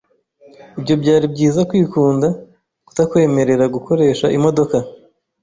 Ibyo byari byiza kwikunda kutakwemerera gukoresha imodoka.